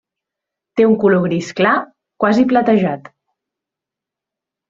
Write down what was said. Té un color gris clar, quasi platejat.